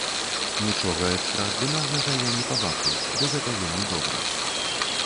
Нічога экстраардынарнага я не пабачыў, ды гэта вельмі добра.